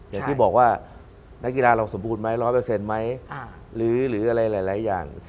อย่างที่บอกว่านักกีฬาเราสมบูรณไหม๑๐๐ไหมหรืออะไรหลายอย่าง